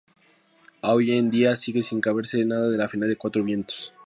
Aún hoy en día sigue sin saberse nada del final del "Cuatro Vientos".